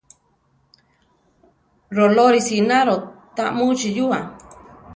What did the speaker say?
Rolórisi ináro ta muchí yua.